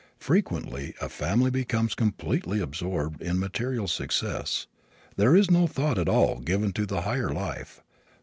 Frequently a family becomes completely absorbed in material success. There is no thought at all given to the higher life.